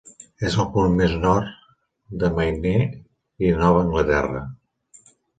És al punt més al nord de Maine i de Nova Anglaterra.